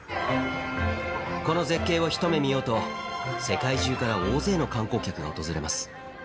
この絶景を一目見ようと世界中から大勢の観光客が訪れます。